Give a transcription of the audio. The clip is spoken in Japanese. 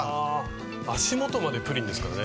足元までプリンですからね。